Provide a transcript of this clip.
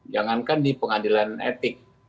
jangankan di pengadilan etik